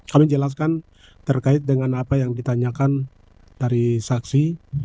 kami jelaskan terkait dengan apa yang ditanyakan dari saksi